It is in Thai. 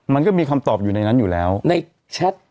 มันก็มีคำตอบอยู่ในนั้นอยู่แล้วในแชท